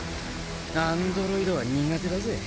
アンドロイドは苦手だぜ。